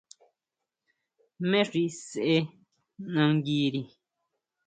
¿Jmé xi sʼee nanguiri?